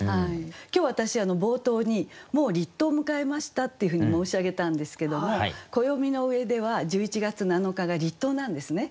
今日私冒頭に「もう立冬を迎えました」っていうふうに申し上げたんですけども暦の上では１１月７日が立冬なんですね。